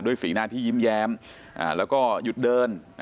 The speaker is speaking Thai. สีหน้าที่ยิ้มแย้มแล้วก็หยุดเดิน